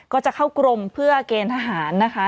ก็จะเข้ากรมเพื่อเกณฑ์ทหารนะคะ